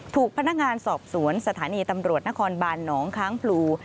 ถูกพนักงานสอบสวนสถานีตำรวจนครบานหนองค้างพลู